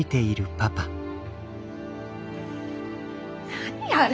何あれ？